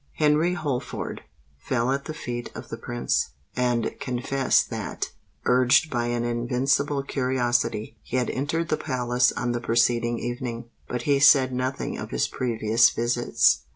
Henry Holford fell at the feet of the Prince, and confessed that, urged by an invincible curiosity, he had entered the palace on the preceding evening; but he said nothing of his previous visits.